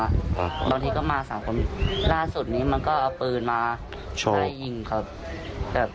บางทีก็มาสามคนล่าสุดนี้มันก็เอาปืนมาช่วยไล่ยิงครับแบบ